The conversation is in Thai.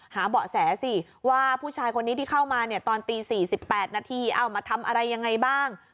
เบาะแสสิว่าผู้ชายคนนี้ที่เข้ามาเนี่ยตอนตี๔๘นาทีเอามาทำอะไรยังไงบ้าง